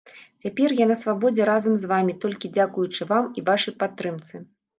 Цяпер я на свабодзе разам з вамі, толькі дзякуючы вам і вашай падтрымцы.